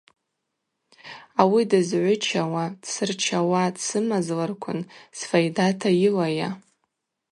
Ауи дызгӏвычауа, дсырчауа дсымазларквын сфайдата йылайа.